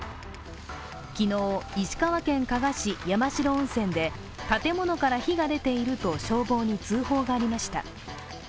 昨日、石川県加賀市山代温泉で建物から火が出ていると消防に通報がありました。